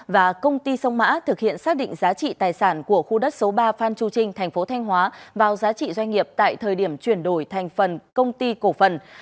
và công ty sông mã thực hiện xác định giá trị tài sản của khu đất số ba phan chu trinh thành phố thanh hóa vào giá trị doanh nghiệp tại thời điểm chuyển đổi thành phần công ty cổ phần